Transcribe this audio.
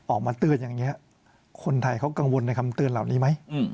ออกมาเตือนอย่างนี้คนไทยเขากังวลในคำเตือนเหล่านี้ไหม